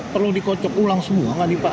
perlu dikocok ulang semua nggak nih pak